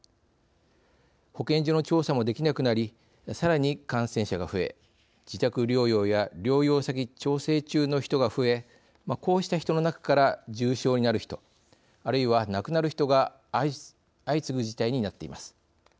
保健所の調査もできなくなりさらに感染者が増え自宅療養や療養先の調整中の人が増えこうした人の中から重症になる人あるいは亡くなる人が相次ぐ事態になっています。